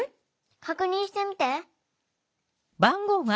確認してみて。